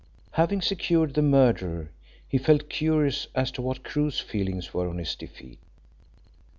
Having secured the murderer, he felt curious as to what Crewe's feelings were on his defeat.